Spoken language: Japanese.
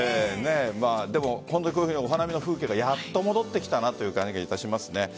お花見の風景がやっと戻ってきたなという感じがしますね。